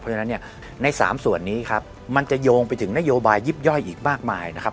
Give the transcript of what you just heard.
เพราะฉะนั้นเนี่ยใน๓ส่วนนี้ครับมันจะโยงไปถึงนโยบายยิบย่อยอีกมากมายนะครับ